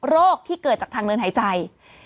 โรคที่เกิดจากทางเดินหายใจ